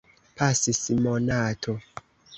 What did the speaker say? Pasis monato.